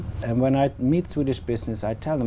và chúng ta muốn di chuyển đến việt nam